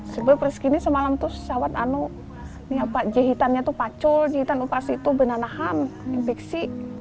sebelum rizky ini semalam tuh sawat jahitannya pacul jahitan operasi itu benanahan infeksi